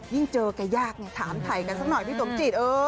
ยิ่งเจอก็ยากถามถ่ายกันสักหน่อยพี่สมจีต